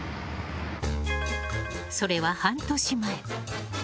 それは、半年前。